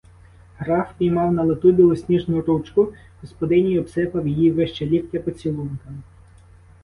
Граф піймав на лету білосніжну ручку господині й обсипав її вище ліктя поцілунками.